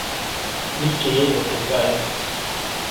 ‒Mijtsye yeʼŋu teʼ ŋgaʼe-.